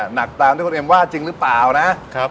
ตามที่คุณเอ็มว่าจริงหรือเปล่านะ